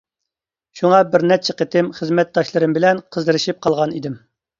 شۇڭا بىر نەچچە قېتىم خىزمەتداشلىرىم بىلەن قىزىرىشىپ قالغان ئىدىم.